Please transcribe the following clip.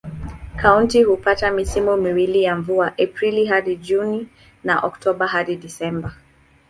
Kaunti hupata misimu miwili ya mvua: Aprili hadi Juni na Oktoba hadi Disemba.